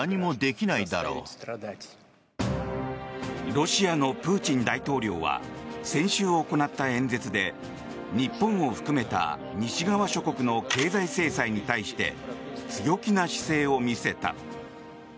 ロシアのプーチン大統領は先週行った演説で日本を含めた西側諸国の経済制裁に対して強気な姿勢を見せた。